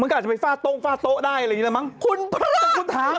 มันก็อาจจะไปฟาดโต๊ะฟาดโต๊ะได้อะไรอย่างนี้แหละมั้ง